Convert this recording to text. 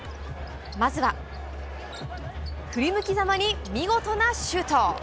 まずは、振り向きざまに見事なシュート。